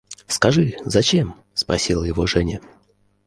– Скажи, зачем? – спросила его Женя.